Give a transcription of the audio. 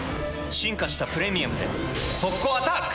進化した「プレミアム」で速攻アタック！